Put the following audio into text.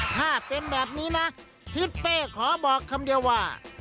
ถ้าเป็นแบบนี้นะทิศเป้ขอบอกคำเดียวว่า